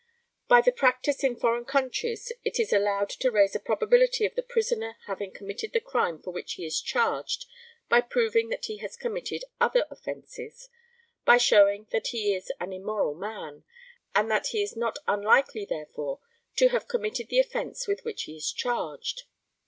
By the practice in foreign countries it is allowed to raise a probability of the prisoner having committed the crime with which he is charged by proving that he has committed other offences by showing that he is an immoral man, and that he is not unlikely, therefore, to have committed the offence with which he is charged.